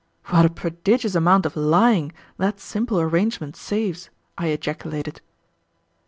"What a prodigious amount of lying that simple arrangement saves!" I ejaculated.